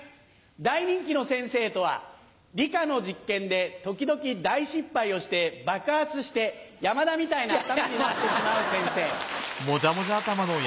大人気の先生とは理科の実験で時々大失敗をして爆発して山田みたいな頭になってしまう先生。